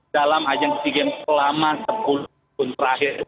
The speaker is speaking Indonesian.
dalam ajang si game selama sepuluh tahun terakhir